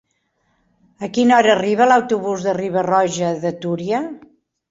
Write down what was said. A quina hora arriba l'autobús de Riba-roja de Túria?